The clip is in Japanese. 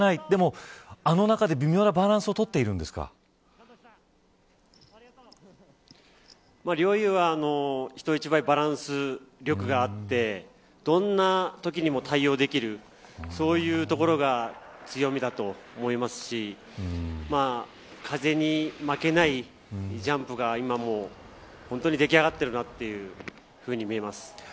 でもあの中で、微妙なバランスを陵侑は人一倍バランス力があってどんなときにも対応できるそういうところが強みだと思いますし風に負けないジャンプが今も出来上がっているなというふうに見えます。